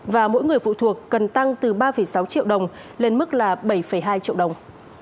và mỗi người phụ thuộc cần tăng từ ba sáu triệu đồng lên mức là bảy hai triệu đồng